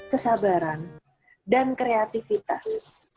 kesabaran dan kreativitas